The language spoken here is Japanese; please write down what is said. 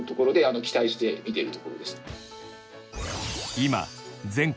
今全国